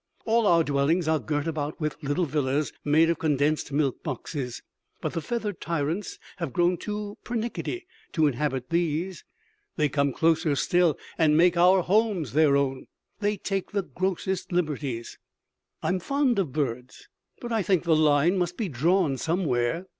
All our dwellings are girt about with little villas made of condensed milk boxes, but the feathered tyrants have grown too pernickety to inhabit these. They come closer still, and make our homes their own. They take the grossest liberties. I am fond of birds, but I think the line must be drawn somewhere.